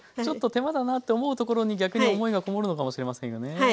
ちょっと手間だなって思うところに逆に思いがこもるのかもしれませんよね。